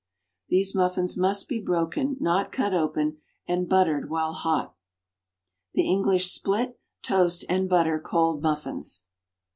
These muffins must be broken, not cut open, and buttered while hot. The English split, toast and butter cold muffins.